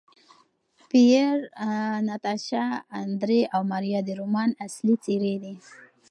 پییر، ناتاشا، اندرې او ماریا د رومان اصلي څېرې دي.